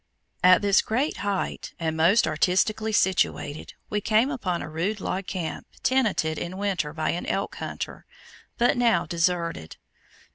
At this great height, and most artistically situated, we came upon a rude log camp tenanted in winter by an elk hunter, but now deserted.